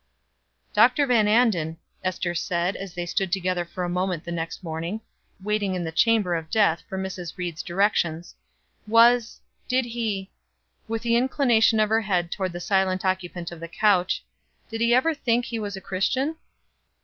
"Dr. Van Anden," Ester said, as they stood together for a moment the next morning, waiting in the chamber of death for Mrs. Ried's directions . "Was Did he," with an inclination of her head toward the silent occupant of the couch, "Did he ever think he was a Christian?"